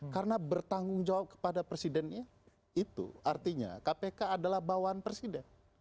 karena bertanggung jawab kepada presidennya itu artinya kpk adalah bawaan presiden